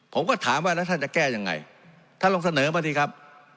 ผมก็ถามว่าแล้วท่านจะแก้ยังไงท่านลองเสนอมาสิครับ